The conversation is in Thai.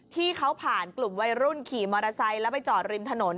ที่เขาผ่านกลุ่มวัยรุ่นขี่มอเตอร์ไซค์แล้วไปจอดริมถนน